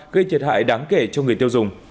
gây thiệt hại đáng kể cho người tiêu dùng